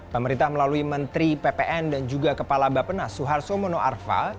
pemerintah melalui menteri ppn dan juga kepala bapenas suharto mono arfa